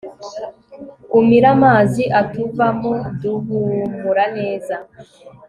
umire amazi atuvamo, duhumura neza